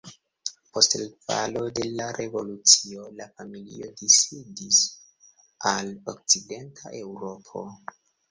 Post falo de la revolucio la familio disidis al okcidenta Eŭropo.